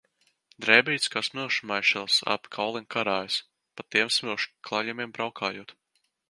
Drēbītes kā smilšu maišelis ap kauliem karājas, pa tiem smilšu klajumiem braukājot.